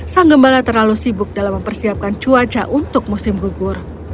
sang gembala terlalu sibuk dalam mempersiapkan cuaca untuk musim gugur